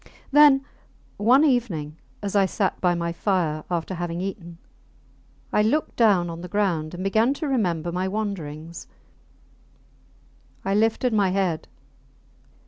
Then, one evening, as I sat by my fire after having eaten, I looked down on the ground and began to remember my wanderings. I lifted my head.